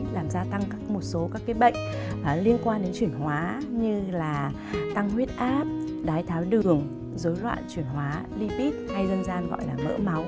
làm gia tăng các một số các bệnh liên quan đến chuyển hóa như là tăng huyết áp đái tháo đường dối loạn chuyển hóa lipid hay dân gian gọi là mỡ máu